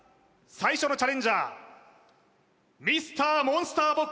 最初のチャレンジャーＭｒ．モンスター